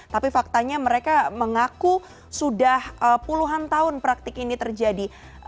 tapi faktanya mereka mengaku sudah puluhan tahun praktik ini terjadi